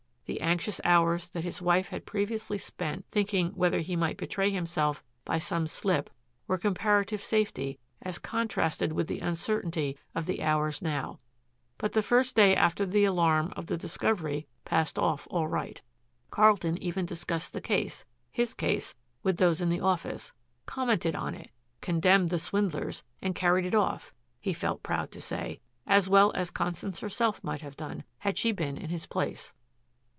The anxious hours that his wife had previously spent thinking whether he might betray himself by some slip were comparative safety as contrasted with the uncertainty of the hours now. But the first day after the alarm of the discovery passed off all right. Carlton even discussed the case, his case, with those in the office, commented on it, condemned the swindlers, and carried it off, he felt proud to say, as well as Constance herself might have done had she been in his place.